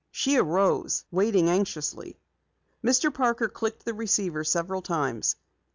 She arose, waiting anxiously. Mr. Parker clicked the receiver several times.